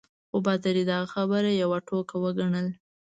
خو پادري دغه خبره یوه ټوکه وګڼل.